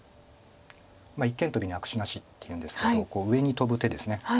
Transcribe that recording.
一間トビに悪手なしっていうんですけど上にトブ手です。